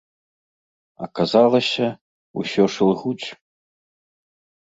Аказалася, усё ж ілгуць.